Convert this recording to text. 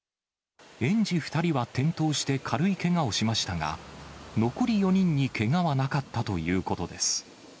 園児２人は転倒して軽いけがをしましたが、残り４人にけがはなかったということです。